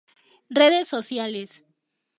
Redes Sociales